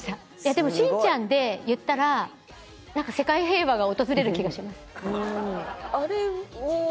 でもしんちゃんで言ったらなんか世界平和が訪れる気がします。